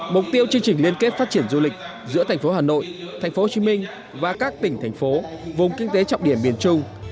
mục tiêu chương trình liên kết phát triển du lịch giữa thành phố hà nội thành phố hồ chí minh và các tỉnh thành phố vùng kinh tế trọng điểm miền trung